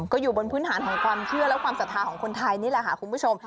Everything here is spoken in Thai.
ก็อยู่บนพื้นฐานของความเชื่อและความศรัทธาของคนไทยนี่แหละค่ะคุณผู้ชม